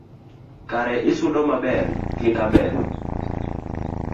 Kare isudo maber, kinda ber